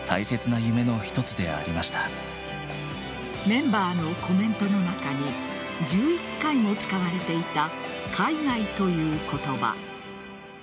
メンバーのコメントの中に１１回も使われていた海外という言葉。